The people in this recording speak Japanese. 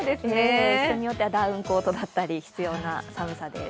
人によってはダウンコートが必要な寒さです。